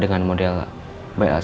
dengan model bisnrk itu majalah kapal pak